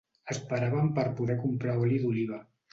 Esperaven per poder comprar oli d'oliva